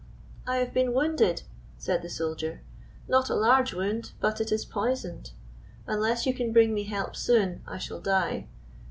"I have been wounded," said the soldier; "not a large wound, but it is poisoned. Unless you can bring me help soon I shall die.